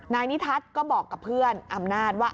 นายนิทัศน์ก็บอกกับเพื่อนอำนาจว่า